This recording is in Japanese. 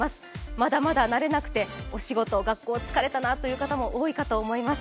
まだまだ慣れなくてお仕事、学校疲れたなという方も多いと思います。